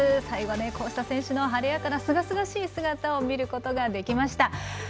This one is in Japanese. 最後は、選手の晴れやかなすがすがしい姿を見ることができました。